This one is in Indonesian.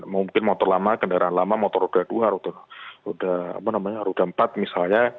mungkin motor lama kendaraan lama motor roda dua rute roda empat misalnya